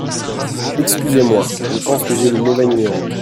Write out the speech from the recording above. Excusez-moi, je pense que j'ai le mauvais numéro.